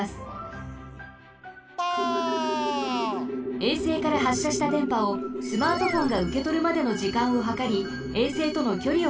衛星からはっしゃしたでんぱをスマートフォンがうけとるまでのじかんをはかり衛星とのきょりをけいさんします。